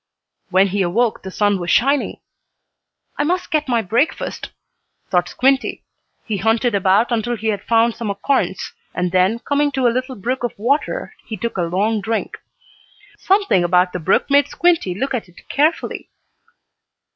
When he awoke the sun was shining. "I must get my breakfast," thought Squinty. He hunted about until he had found some acorns, and then, coming to a little brook of water he took a long drink. Something about the brook made Squinty look at it carefully.